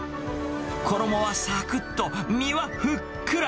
衣はさくっと、身はふっくら。